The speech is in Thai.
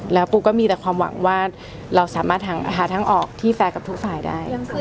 และปูก็มีความหวังว่าเราจะหาออกที่แฟร์กับทุกฝ่ายได้